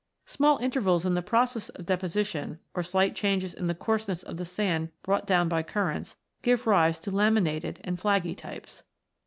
Small intervals in the process of deposition, or slight changes in the coarseness of the sand brought down by currents, give rise to laminated and flaggy types.